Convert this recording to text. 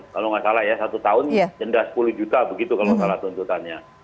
kalau nggak salah ya satu tahun denda sepuluh juta begitu kalau salah tuntutannya